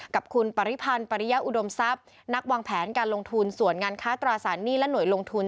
กับคุณปริพันธ์ปริยะอุดมทรัพย์นักวางแผนการลงทุนส่วนงานค้าตราสารหนี้และหน่วยลงทุน